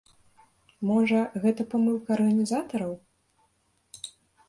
Можа, гэта памылка арганізатараў?